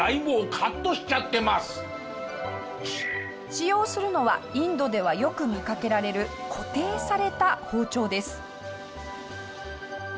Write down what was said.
使用するのはインドではよく見かけられる固定された包丁です。